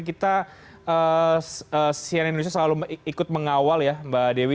kita cnn indonesia selalu ikut mengawal ya mbak dewi